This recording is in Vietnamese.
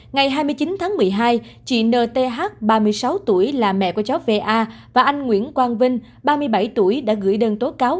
ngày hai mươi chín tháng một mươi hai chị nth ba mươi sáu tuổi là mẹ của cháu va và anh nguyễn quang vinh ba mươi bảy tuổi đã gửi đơn tố cáo